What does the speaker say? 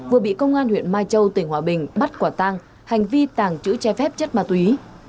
vừa bị công an huyện mai châu tỉnh hòa bình bắt quả tang hành vi tàng trữ che phép chất ma túy